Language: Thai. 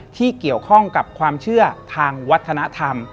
ที่เกี่ยวข้องกับความเชื่อทางวัฒนธรรม